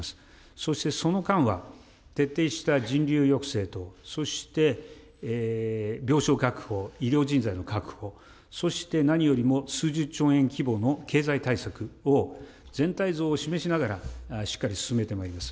そしてその間は、徹底した人流抑制と、そして病床確保、医療人材の確保、そして何よりも、数十兆円規模の経済対策を全体像を示しながら、しっかり進めてまいります。